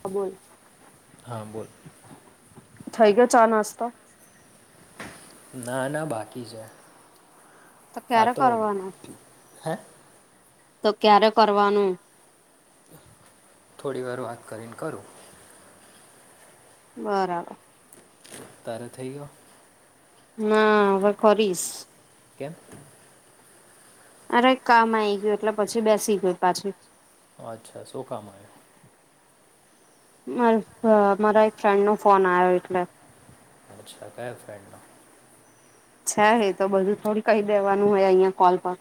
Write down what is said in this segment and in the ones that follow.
હા બોલો હા બોલ થઈ ગયો ચા નાસ્તા ના ના બાકી છે આ ક્યારે તો કરવાનો હે તો ક્યારે કરવાનું થોડી વાર વાત કરીને કરું બરાબર તારે થઇ ગયો? ના હવે કરીશ. કેમ? અરે કામ આઈ ગયું એટલે પછી બેસી ગઈ પાછી. અચ્છા. શું કામ આયુ? માર મારા એક ફ્રેન્ડનો ફોન આયો એટલે. અચ્છા. કયા ફ્રેન્ડનો? છે એ તો બધું થોડી કહી દેવાનું હોય અહિયાં કોલ પર.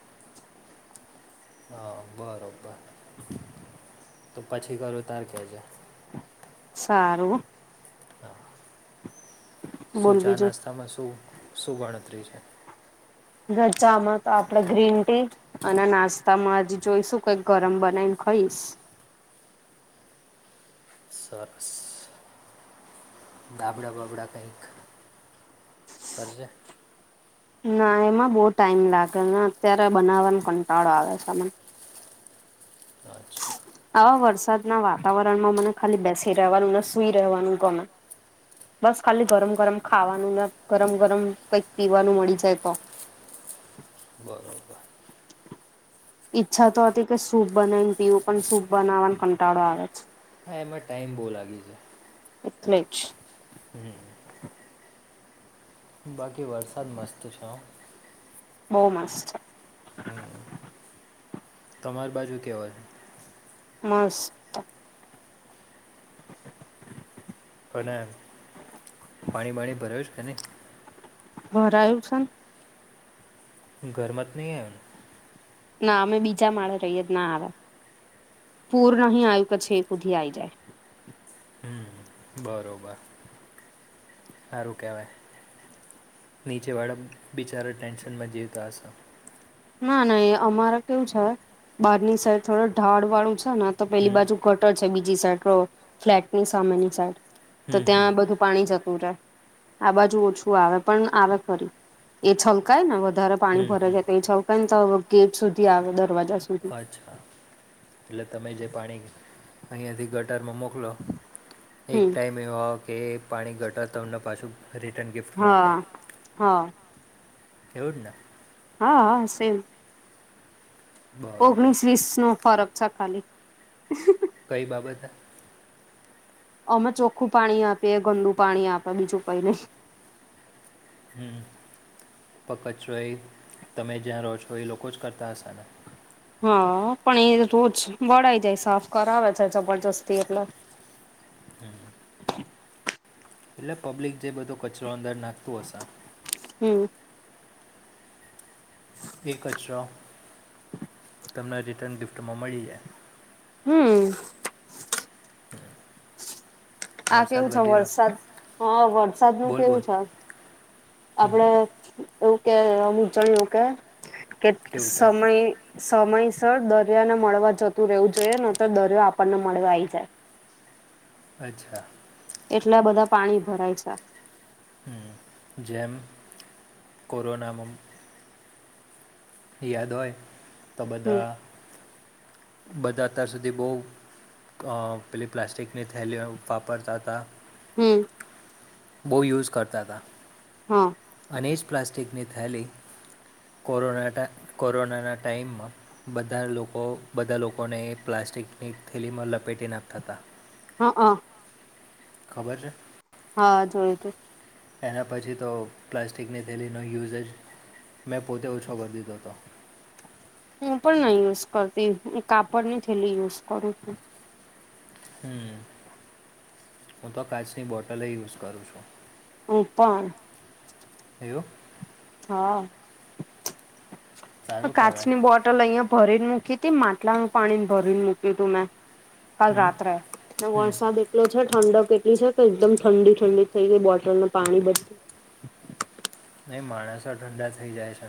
હા બરોબર. તો પછી કરું તાર કેજે. સારું. હા. શું બોલ ચા બીજું નાસ્તામાં શું શું ગણતરી છે? જો ચામાં તો આપડે ગ્રીન ટી. અને નાસ્તામાં હજી જોઈશું કઈક ગરમ બનાઈને ખઈશ. સરસ. ગાબડા બાબડા કંઈક કરજે. ના એમાં બહુ ટાઈમ લાગે ને અત્યારે બનાવાનો કંટાળો આવે છે મન અચ્છા. આવા વરસાદના વાતાવરણમાં મને ખાલી બેસી રહેવાનું ને, સુઈ રહેવાનું ગમે. બસ ખાલી ગરમ ગરમ ખાવાનું ને, ગરમ ગરમ કઈક પીવાનું મળી જાય તો. બરોબર. ઈચ્છા તો હતી કે સૂપ બનાવીને પીવું, પણ સૂપ બનાવાનો કંટાળો આવે છે. હા એમાં ટાઈમ બહુ લાગી જાય. એટલે જ. હમ બાકી વરસાદ મસ્ત છે હો. બહુ મસ્ત છે. હમ તમારી બાજુ કેવો છે? મસ અને પાણી બાણી ભરાયુ છે કે નહીં? ભરાયું છે ન. ઘરમાં ત નહીં આયો ને? ના અમે બીજા માળે રહીએ ના આવે. પૂર નહીં આયું કે છેક હુધી આઈ જાય. હમ બરોબર. હારું કેહેવાય. નીચેવાળા બિચારા ટેન્શનમાં જીવતા હશો. ના ના એ અમારે કેવું છે બારની સાઈડ થોડ ઢાળવાળું છે ને તો પેલી હમ બાજુ ગટર છે બીજી સાઈડ તો ફ્લેટની સામેની સાઈડ તો હમ હમ ત્યાં બધું પાણી જતું રહે. આ બાજુ ઓછું આવે પણ આવે ખરી. એ છલકાય ને વધારે પાણી હમ ભરાઈ જાય તો એ છલકાય ને તો ગેટ સુધી આવે દરવાજા સુધ અચ્છા. એટલે તમે જે પાણી અહીંયાથી ગટરમાં મોકલો એક હમ ટાઈમ ઈમ એવો આવે કે એ પાણી ગટર તમને પાછું રિટર્ન ગિફ્ટમાં આપ. હા હા એવું જ ન? હા હા સેમ. બરોબર ઓગણીસ વીસનો ફરક છે ખાલી. કઈ બાબતે? અમે ચોખ્ખું પાણી આપીએ, એ ગંદુ પાણી આપે બીજું કઈ નઈ. હમ પણ કચરોએ તમે જ્યાં રો છો એ લોકો જ કરતા હશે ને? હા પણ એ રોજ વળઈ જાય સાફ કરાવે છે જબરજસ્તી એટલે. હમ હમ એટલે પબ્લિક જે બધો કચરો અંદર નાખતું હશે. હમ એકશો તમને રિટર્ન ગિફ્ટમાં મળી જાય હમ આ વરસાદ કેવું છે વધી વરસાદ રહ્યો હા વરસાદ નું બોલ કેવું બોલ છે હમ, આપડે એવું કે અમુક એ કે કે કેવું કે સમય સમયસર દરિયાને મળવા જતું રહેવું જોઈએ ન તો દરિયો આપણને મળવા આઈ જાય અચ્છા એટલા બધા પાણી ભરાય છે. હ જેમ કોરોના મમ યાદ હોય તો હમ બધા બધા અત્યાર સુધી બોહ પેલી પ્લાસ્ટિકની થેલીઓ વાપરતા હતા. હમ બોહ યુઝ કરતા હતા. હા અને ઈ જ પ્લાસ્ટિકની થેલી કોરોના ટાઇ કોરોનાના ટાઈમમાં બધા લોકો બધા લોકોને પ્લાસ્ટિકની થેલીમાં લપેટી નાખતા હતા. હા હ ખબર છે. હા જોયુ તું એના પછી તો પ્લાસ્ટિકની થેલીનો યુઝેજ મેં પોતે ઓછો કરી દીધો હતો. હું પણ નહી યુઝ કરતી હું કાપડ ની થેલી યુઝ કરુ છુ. હમ્મ હું તો કાચની બોટલ યે યુઝ કરુ છુ. હુ પણ [inaudible] હા સારું કહેવાય કાચની બોટ ટ્ટલ અહિયા ભરીને મૂકીતી માટલાનું પાણી ભરીને મૂક્યું તું મેં કાલ હમ રાત્રે ને હમ વરસાદ એ એટલો છે ઠંડક એટલી છે કે એકદમ ઠંડી ઠંડી થઈ ગઈ બોટલનું પાણી બધું ને માણસો ઠંડા થઈ જાય છે.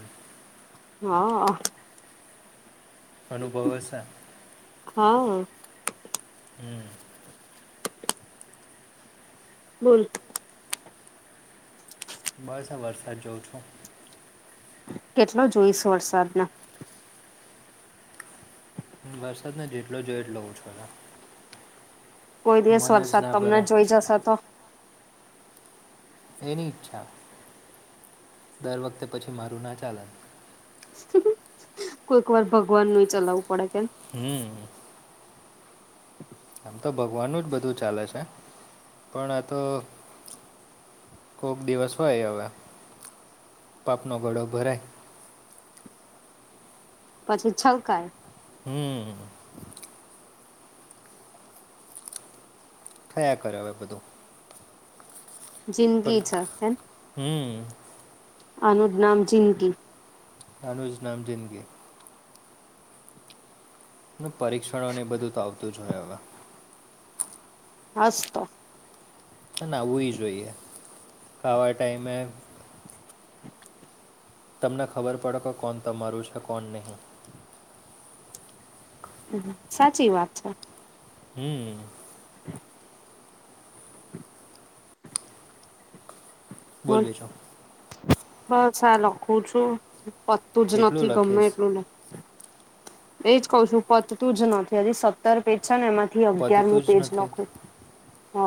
હા અનુભવેશે હા હમ્મ બોલ બસ આ વરસાદ જોઉ છુ. કેટલો જોઈશ વરસાદના વરસાદ ને જેટલો જોયો એટલો ઓછો હ કોઈ દિવસ જ વરસાદ ના તમને ભરે જોઈ જશેતો એની ઈચ્છા દર વખતે પછી મારુ ના ચાલે કોઈક વાર ભગવાન નું ચલાવવું પડે કેમ હમ્મ આમ તો ભગવાનું જ બધું ચાલે છે પણ આ તો કોક દિવસ હોય હવે પાપનો ઘડો ભરાય. પછી છલકાય. હમ્મ થયા કરે હવે બધુ પણ જિંદગી છે હે હમ આનુંજ નામ જિંદગી આનુંજ નામ જિંદગી. પરીક્ષણોને એ બધું તો આવતું જ હોય હવે હાસ તો છે ના આવું જોઈએ ખાવા ટાઈમે તમને ખબર પડે કે કોણ તમારું છે કોણ નહી. હમ સાચી વાત છે. હમ [inaudible] બોલ હ બીજું બસ આ લખું છુ. પત્તું જ નથી કેટલું ગમે લખીશ એટલું લુ એજ કઉ છું પત તું જ નથી હજી સત સત્તર પેજ છે ને એમાંથી અગિયાર પતતું નું જ પેજ નથી લખું હ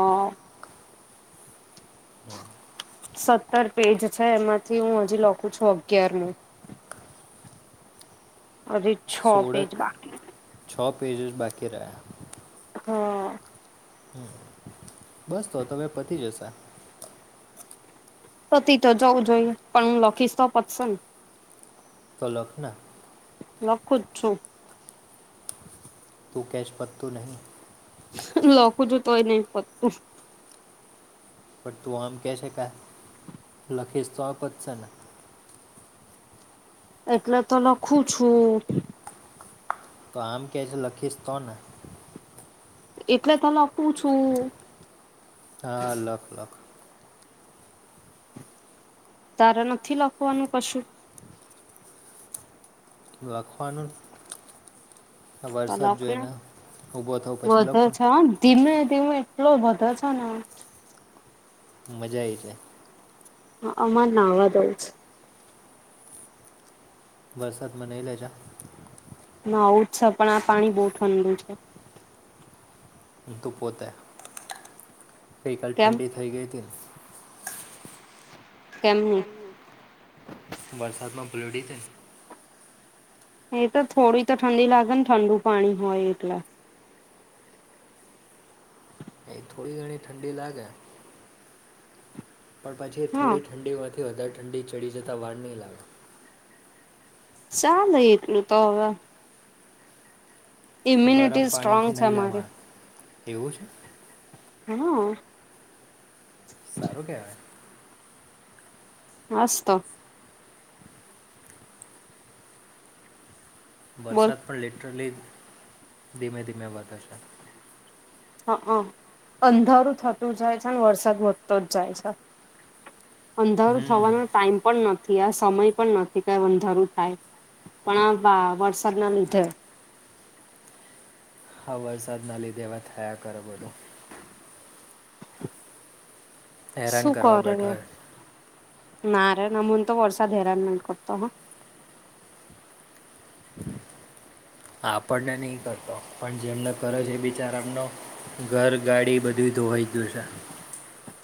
સત્તર પેજ છે એમાંથી હું હજી લખું છું અગિયાર નું અલી છો સોળ પેજ બાકી. છ પેજ અજ બાકી રહ્યા હા. હમ્મ બસ તો તમ પતી જશે. પતિ તો જવું જોઈએ પણ હું લખીશ તો પતશે ને તો લાખને લખું જ છું. તું કેશ પતું નહીં. લખું છું તોય નહી પતું પણ તું આમ કહે શકાય લખીશ તો આ પતશે જ ને એટલે તો લખું છું. તો આમ કે છે લખીશ તો ને એટલે તો લખું છું. હા લખ લખ તાર નથી લખવાનું કશું લખવાનું તો વરસાદ લખ ને જોઈને ઊભો થઉ પછી વધે લખવાનું છે હ ધીમે ધેવું એટલો વધે છે ને મજા આવી જાય. હ અમાર નાવા જઉ છે. વરસાદમાં નહી લે જા નાવુ જ છે પણ આ પાણી બહુ ઠંડુ છે. તું પોતે ગઈ કાલ કેમ ઠંડી થઈ ગઈ હતી ને કેમ વરસાદમાં પલડી તીન એ તો થોડી તો ઠંડી લાગે ને ઠંડુ પાણી હોય એટલે એ થોડી ઘણી ઠંડી લાગે પણ પછી એ હા થોડી ઠંડીમાંથી વધારે ઠંડી ચડી જતાં વાર નહીં લાગે. ચાલે એટલું તો હવે ગરમ ઇમ્યુનિટી સ્ટ્રોંગ પાણીથી છે નહીં મારી લેવાનુ એવું છે. હા. સારું કહેવાય. હાસ તો બોલ વરસાદ પણ લિટરલી ધીમે ધીમે વધશ હ હ અંધારું થતું જાય છે વરસાદ વધતો જ જાય છે. અંધારું હમ થવાનો ટાઈમ પણ ન થી આ સમય પણ નથી કે અંધારું થાય પણ આ વરસાદ ના લીધે હા વરસાદના લીધે એવા થયા કરે બધું હેરાન શું કરવા કરે હે બેઠો છે ના રે ના મન તો વરસાદ હેરાન નહી કરતો હ [inaudible] હા આપણને નહી કરતો પણ જેમને કરે છે એ બિચાર એમનો ઘર ગાડી બધુંયે ધોવાઈ ગયું છે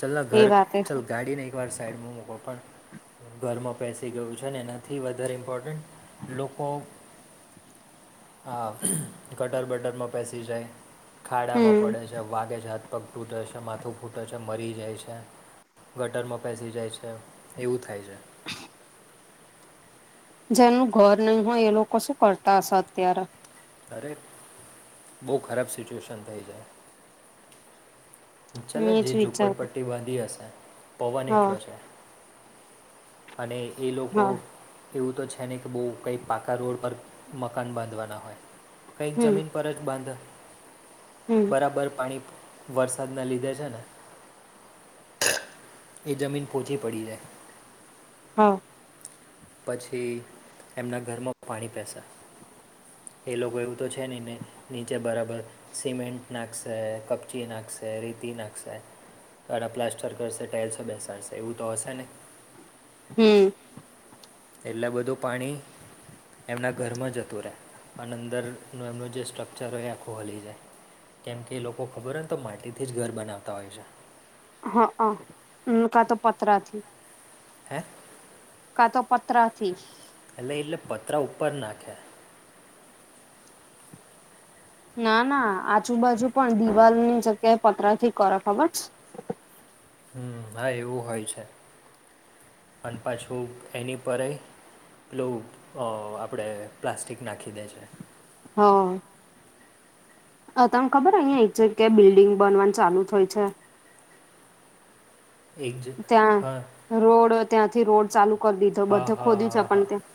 ચલન ઘર એ વાત છે ચાલ ગાડી નઈ વાર સાઈડમાં મૂકો પણ ઘરમાં બેસી ગયું છે ને એનાથી વધારે ઇમ્પોર્ટન્ટ લોકો આ ગટર બટરમાં બેસી જાય ખાડામાં હમ પડે છે વાગે છે હા પગ તૂટે છે માથું ફૂટે છે મરી જાય છે. ગટરમાં બેસી જાય છે એવું થાય છે. જેનું ઘર નહી હોય એ લોકો શું કરતા હશે અત્યારે દરેક બહુ ખરાબ સિચ્યુએશન થઈ જાય ચાલ હું એજ જે વિચારું ઝૂપડપટ્ટી બાંધી હશે પવન હા એટલો છે. અને એ લોકો હા એવું તો છે નનેં કે બહુ કંઈક પાકા રોડ પર મકાન બાંધવાના હોય કંઈક હમ જમીન પર જ બાંધ હમ બરાબર પાણી વરસ સાદના લીધે છે ને એ જમીન પોહચી પડી જાય હા પછી એમના ઘરમાં પાણી પહેસા એ લોકો એવું તો છે નહીં ને નીચે બરાબર સિમેન્ટ નાખશે કપચી નાખશે રીતી નાખશે કાડાા પ્લાસ્ટર કરશે ટાઇલ્સ બેસાડશે એવું તો હશે ને હમ્મ એટલા બધું પાણી એમના ઘરમાં જતું રહે પણ અંદરનું એમનું જે સ્ટ્રક્ચર હોય એ આખું હલી જાય કેમ કે એ લોકો ખબર હોય ને તો માટીથી જ ઘર બનાવતા હોય છે. હા કા તો પતરાથી હે કા તો પત્રરાથી એલે એટલે પતરા ઉપર નાખ્યા ના ના આજુબાજુ પણ દિવાલ ની જગ્યાએ પતરા થી કર ખબર હમ હા એવું હોય છે અને પાછું એની પરય પેલું આપણે પ્લાસ્ટિક નાખી દે છે. હા. અ તમને ખબર અહિયાં એ છે કે બિલ્ડિંગ બનવાનું ચાલુ હોય છે. એક જ હા ત્યાં રોડ ત્યાંથી રોડ ચાલુ કરી દીધો હા બધે હા ખોદ્યું છે હા પણ હા ત્યાં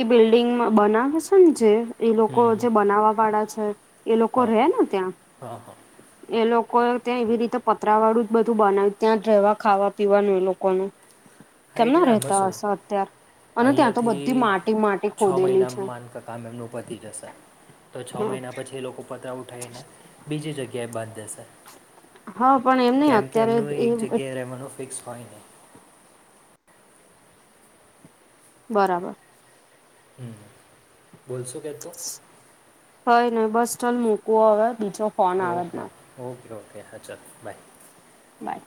એ બિલ્ડિંગ બનાવે છે ને જે એ લોકો હમ હમ જે બનાવા વાળા છે. એ લોકો હા રહેે ને ત્યાં હા હા એ લોકો ત્યાં એવી રીતે પતરા વાળું જ બધું બનાવ્યું ત્યાં રહેવા ખાવા જીવાનું એ લોકો નુ ખાઈટલા બસો અને ત્યાં તો બધી અહીયાંયાથી માટી માટી છ ખોદેલી મહિના છે માન કામ એમનું પતી જશે તો છ હા મહિના પછી એ લોકો પત ઉઠાવીને બીજી જગ્યાએ બાદ દેશે હા પણ એમ નહ કેમ અત્યારે કેમનું એક એ જગ્યાએ રહેવાનું ફિક્સ હોય નને બરાબર હમ્મ બોલશો કે તું? હય નને બસ ચાલ મૂકવો હવે બીજો ફોન આવે છ. ઓકે ઓકે ઓકે હા ચાલો બાય બાય